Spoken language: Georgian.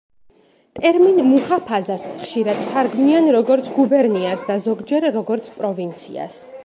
ტერმინ „მუჰაფაზას“ ხშირად თარგმნიან როგორც „გუბერნიას“ და ზოგჯერ როგორც „პროვინციას“.